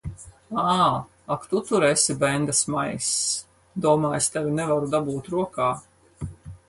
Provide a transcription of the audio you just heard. Ā! Ak tu tur esi, bendesmaiss! Domā, es tevi nevaru dabūt rokā.